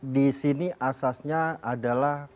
disini asasnya adalah